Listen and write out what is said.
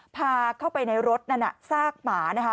พาเข้าไปในรถนั่นน่ะซากหมานะคะ